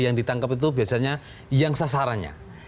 yang ditangkap itu biasanya yang sasarannya